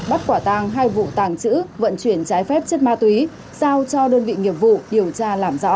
bắt quả tàng hai vụ tàng trữ vận chuyển trái phép chất ma túy giao cho đơn vị nghiệp vụ điều tra làm rõ